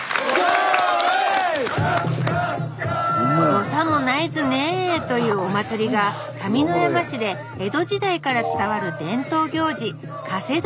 どさもないずねぇというお祭りが上山市で江戸時代から伝わる伝統行事